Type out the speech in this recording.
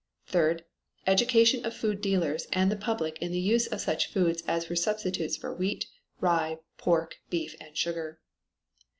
Third, education of food dealers and the public in the use of such foods as were substitutes for wheat, rye, pork, beef and sugar.